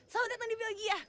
selamat datang di belgia